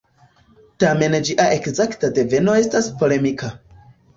Tamen ĝia ekzakta deveno estas polemika.